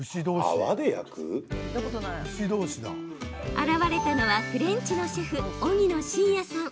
現れたのはフレンチのシェフ、荻野伸也さん。